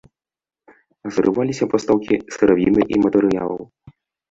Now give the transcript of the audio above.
Зрываліся пастаўкі сыравіны і матэрыялаў.